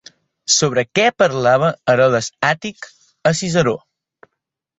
Sobre què parlava Herodes Àtic a Ciceró?